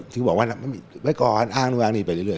ถึงก็บอกว่าไม่ก่อนอ้างนี้อีกไปเรื่อย